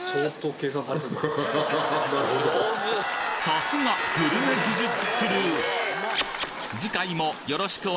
さすがグルメ技術クルー！